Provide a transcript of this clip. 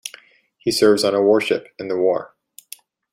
He serves on a warship in the war.